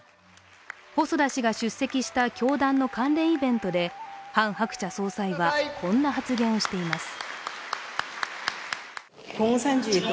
細田氏が出席した教団の関連イベントでハン・ハクチャ総裁はこんな発言をしています。